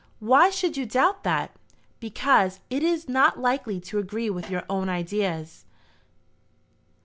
"Why should you doubt that?" "Because it is not likely to agree with your own ideas."